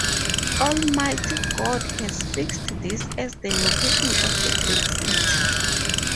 Almighty God has fixed this as the location of a great city.